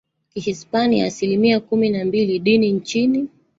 Kihispania asilimia kumi na mbili Dini Nchini